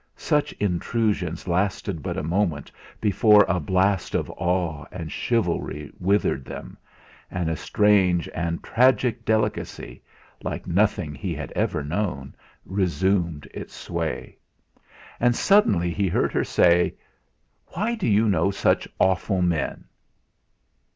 such intrusions lasted but a moment before a blast of awe and chivalry withered them, and a strange and tragic delicacy like nothing he had ever known resumed its sway. And suddenly he heard her say: "Why do you know such awful men?"